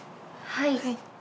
はい。